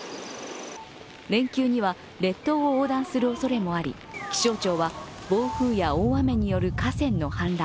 連休には列島を横断するおそれもあり気象庁は暴風や大雨による河川の氾濫